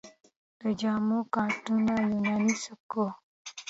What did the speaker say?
د جامو کاتونه یوناني سبک و